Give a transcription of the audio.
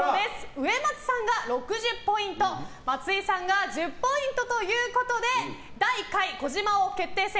上松さんが６０ポイント松井さんが１０ポイントということで第１回児嶋王決定戦